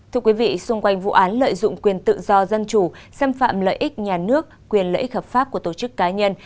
thưa quý vị xung quanh vụ án lợi dụng quyền tự do dân chủ xâm phạm lợi ích nhà nước quyền lợi ích hợp pháp của tổ chức cá nhân